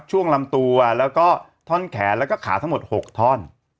ช่วงลำตัวแล้วก็ท่อนแขนแล้วก็ขาทั้งหมด๖ท่อน